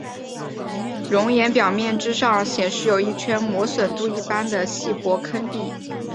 熔岩表面之上显示有一圈磨损度一般的细薄坑壁。